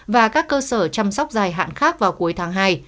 và các cơ sở chăm sóc dài hạn khác vào cuối tháng hai